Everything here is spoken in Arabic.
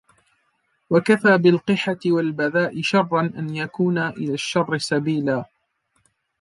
وَكَفَى بِالْقِحَةِ وَالْبَذَاءِ شَرًّا أَنْ يَكُونَا إلَى الشَّرِّ سَبِيلًا